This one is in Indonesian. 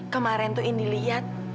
kemarin tuh indi lihat